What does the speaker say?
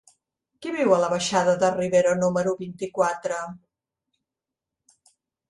Qui viu a la baixada de Rivero número vint-i-quatre?